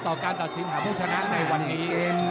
การตัดสินหาผู้ชนะในวันนี้